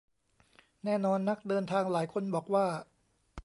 แน่นอนนักเดินทางหลายคนบอกว่า